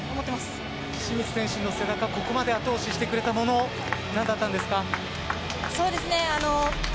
清水選手の背中、ここまで後押ししてくれたもの、そうですね。